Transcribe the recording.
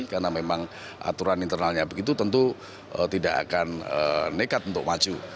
karena memang aturan internalnya begitu tentu tidak akan nekat untuk maju